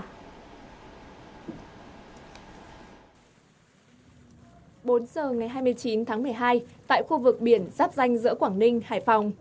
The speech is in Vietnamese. bốn giờ ngày hai mươi chín tháng một mươi hai tại khu vực biển giáp danh giữa quảng ninh hải phòng